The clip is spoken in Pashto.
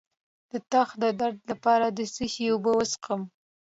د تخه د درد لپاره د څه شي اوبه وڅښم؟